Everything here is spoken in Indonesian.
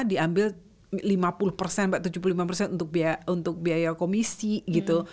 diambil lima puluh mbak tujuh puluh lima untuk biaya komisi gitu